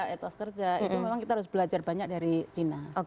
etos kerja itu memang kita harus belajar banyak dari china